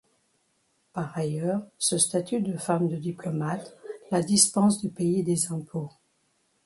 Par ailleurs, ce statut de femme de diplomate la dispense de payer des impôts.